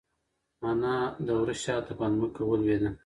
انا د وره شاته په ځمکه ولوېده.